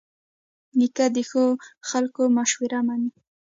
نیکه د ښو خلکو مشوره منې.